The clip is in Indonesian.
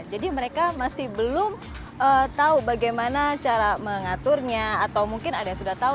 jadi mereka masih belum tahu bagaimana cara mengaturnya atau mungkin ada yang sudah tahu